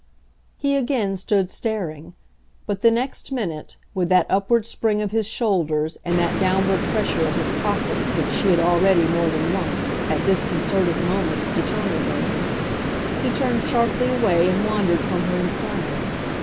He again stood staring; but the next minute, with that upward spring of his shoulders and that downward pressure of his pockets which she had already, more than once, at disconcerted moments, determined in him, he turned sharply away and wandered from her in silence.